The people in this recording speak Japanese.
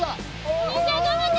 お兄ちゃんがんばって。